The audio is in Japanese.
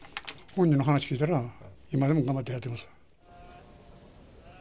本人の話聞いたら、今でも頑張ってやってます。